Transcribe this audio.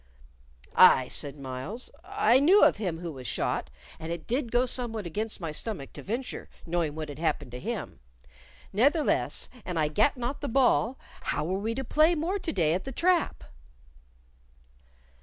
"Aye," said Myles, "I knew of him who was shot, and it did go somewhat against my stomach to venture, knowing what had happed to him. Ne'theless, an I gat not the ball, how were we to play more to day at the trap?"